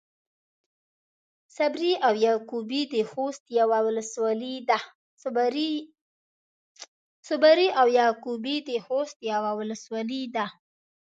صبري او يعقوبي د خوست يوۀ ولسوالي ده.